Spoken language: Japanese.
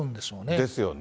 ですよね。